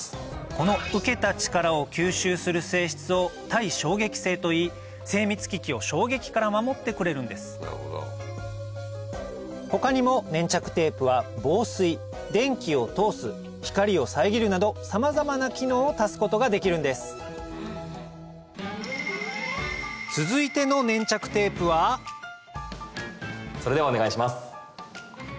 この受けた力を吸収する性質を耐衝撃性といい精密機器を衝撃から守ってくれるんです他にも粘着テープは防水電気を通す光を遮るなどさまざまな機能を足すことができるんですそれではお願いします。